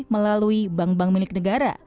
melalui bank bank milik negara